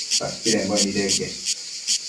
Padpidembuec nideque